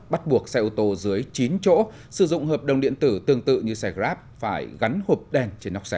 bắt buộc xe ô tô dưới chín chỗ sử dụng hợp đồng điện tử tương tự như xe grab phải gắn hộp đèn trên nóc xe